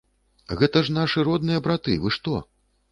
Гэта ж нашы родныя браты, вы што.